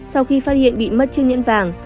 sau khi phát hiện bị mất chiếc nhẫn vàng